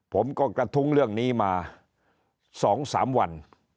ผมก็กระทุ้งเรื่องนี้มา๒๓วัน